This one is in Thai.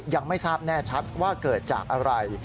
ยังไม่ทราบแน่ชัดว่าเกิดจากอะไร